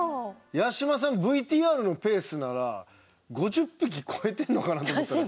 八嶋さんＶＴＲのペースなら５０匹超えてるのかなと思ったら。